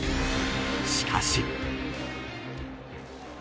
しかし。